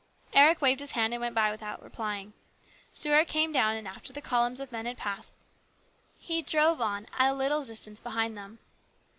Eric waved his hand and went by without replying. Stuart came down, and after the columns of men had passed, he drove along at a little distance behind them.